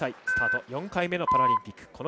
スタート４回目のパラリンピック。